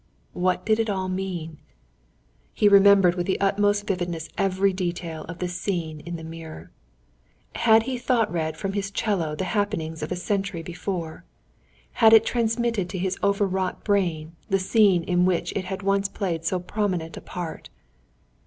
What did it all mean? He remembered with the utmost vividness every detail of the scene in the mirror. Had he thought read from his 'cello the happenings of a century before? Had it transmitted to his over wrought brain, the scene in which it had once played so prominent a part?